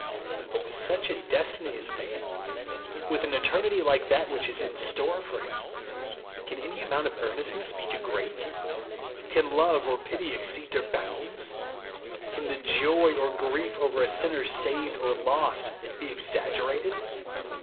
But with such a destiny as man's ; with an eternity like that which is in store for him, — can any amount of earnestness be too great ? Can love or pity exceed their bounds ? Can the joy or grief over a sinner saved or lost be exaggerated